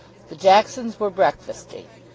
The Jacksons were breakfasting. Mr.